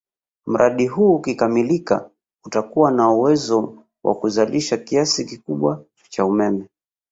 Mradi huu ukikamilika utakuwa na uwezo wa kuzalisha kiasi kikubwa cha umeme